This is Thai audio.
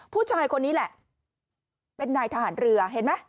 ผู้ชายคนนี้แหละเป็นนายทหารเรือเห็นไหม